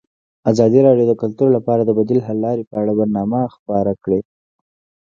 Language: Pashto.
ازادي راډیو د کلتور لپاره د بدیل حل لارې په اړه برنامه خپاره کړې.